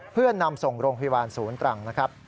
เพื่อนำส่งโรงพยาบาลศูนย์ตรังนะครับ